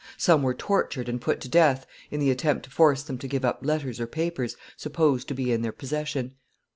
Some were tortured and put to death in the attempt to force them to give up letters or papers supposed to be in their possession.